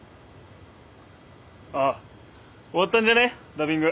あ終わったんじゃねダビング。